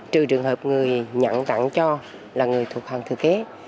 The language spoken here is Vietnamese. trừ trường hợp người nhận tặng cho là người thuộc hàng thừa kế